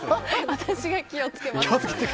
私が気を付けます。